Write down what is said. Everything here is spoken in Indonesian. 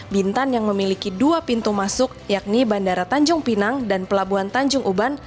bintan yang memiliki dua pintu masuk yakni bandara tanjung pinang dan pelabuhan tanjung uban